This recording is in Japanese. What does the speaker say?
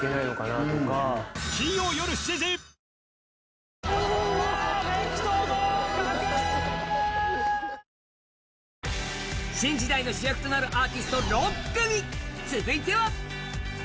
新発売新時代の主役となるアーティスト６組続いては！